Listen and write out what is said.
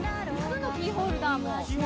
キーホルダーも。